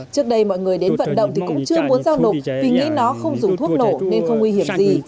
trước đây mọi người đến vận động thì cũng chưa muốn giao nộp vì nghĩ nó không dùng thuốc nổ nên không nguy hiểm gì